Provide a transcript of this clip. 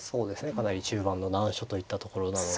かなり中盤の難所といったところなので。